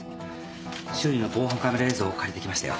周囲の防犯カメラ映像を借りてきましたよ。